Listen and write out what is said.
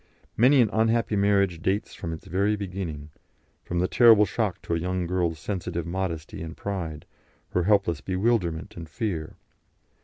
Many an unhappy marriage dates from its very beginning, from the terrible shock to a young girl's sensitive modesty and pride, her helpless bewilderment and fear.